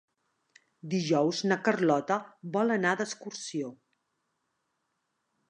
Dijous na Carlota vol anar d'excursió.